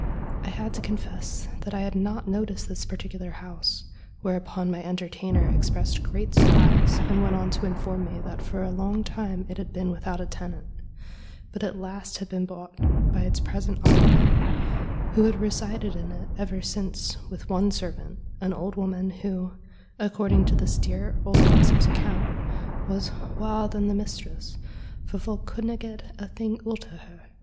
I had to confess that I had not noticed this particular house, whereupon my entertainer expressed great surprise, and went on to inform me that for a long time it had been without a tenant, but at last had been bought by its present occupant, who had resided in it ever since with one servant, an old woman, who, according to this dear old gossip's account, was ' waur than the mistress, for folk couldna get a thing oot o' her.'